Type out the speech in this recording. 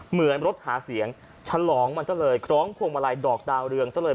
เหมือนรถหาเสียงฉลองมันซะเลยคล้องพวงมาลัยดอกดาวเรืองซะเลย